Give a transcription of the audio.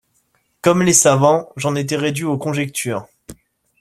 Comme les savants, j'en étais réduit aux conjectures.